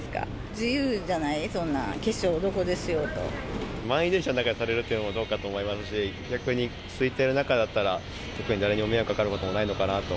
自由じゃないですか、化粧ど満員電車の中でされるというのもどうかと思いますし、空いている電車の中だったら特に誰も迷惑かかることもないかなと。